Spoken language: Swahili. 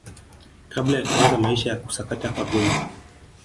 kabla ya kuanza maisha ya kusakata kabumbu